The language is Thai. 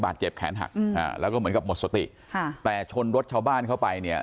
บ้านเจ็บแขนหักแล้วก็เหมือนกับหมดสติแต่ชนรถชาวบ้านเข้าไปเนี่ย